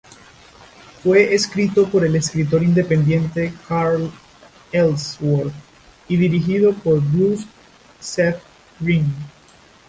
Fue escrito por el escritor independiente Carl Ellsworth y dirigido por Bruce Seth Green.